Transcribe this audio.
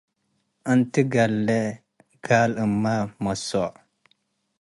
እንቲ ጋሌ ጋል-እመ መሶ ።